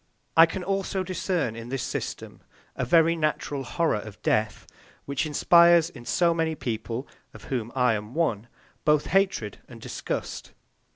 I can also discern in this system a very natural horror of death, which inspires in so many people, of whom I am one, both hatred and disgust.